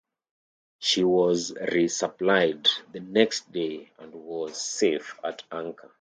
She was resupplied the next day and was safe at anchor.